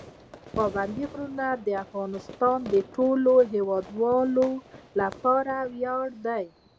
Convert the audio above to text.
پابندي غرونه د افغانستان د ټولو هیوادوالو لپاره ویاړ دی.